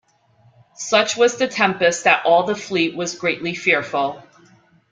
Such was the tempest that all the fleet was greatly fearful.